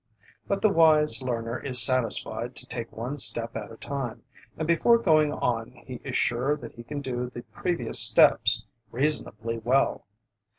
But the wise learner is satisfied to take one step at a time, and before going on he is sure that he can do the previous steps reasonably well.